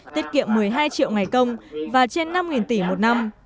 tiết kiệm một mươi hai triệu ngày công và trên năm tỷ một năm